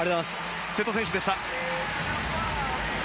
瀬戸選手でした。